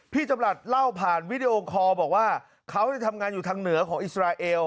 จำหลัดเล่าผ่านวิดีโอคอลบอกว่าเขาทำงานอยู่ทางเหนือของอิสราเอล